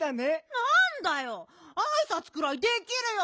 なんだよあいさつくらいできるよ！